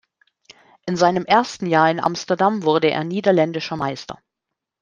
In seinem ersten Jahr in Amsterdam wurde er niederländischer Meister.